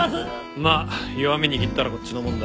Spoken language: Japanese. まあ弱み握ったらこっちのもんだ。